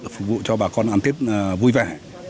phục vụ cho bà con ăn tết vui vẻ